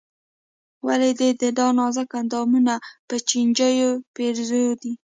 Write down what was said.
ولې دې دا نازک اندامونه په چينجيو پېرزو دي.